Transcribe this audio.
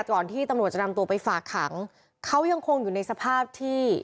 ก่อนที่ตำรวจจะนำตัวไปฝากขังเขายังคงอยู่ในสภาพที่